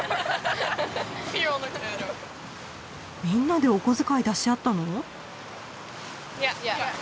みんなでお小遣い出し合ったの？